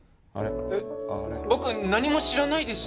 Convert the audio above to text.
僕何も知らないです。